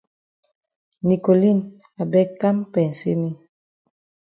Nicoline I beg kam pensay me.